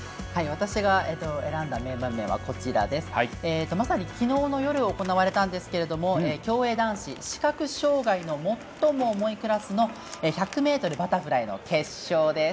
私が選んだ名場面はまさに昨日の夜行われたんですが競泳男子視覚障がいの最も重いクラスの１００ｍバタフライの決勝です。